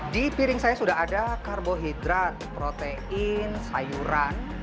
di piring saya sudah ada karbohidrat protein sayuran